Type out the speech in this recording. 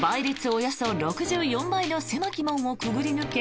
およそ６４倍の狭き門を潜り抜け